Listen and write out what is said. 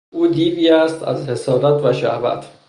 او دیوی است از حسادت و شهوت